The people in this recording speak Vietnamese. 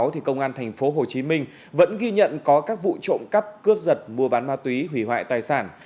thì công an thành phố hồ chí minh vẫn ghi nhận có các vụ trộm cắp cướp giật mua bán ma túy hủy hoại tài sản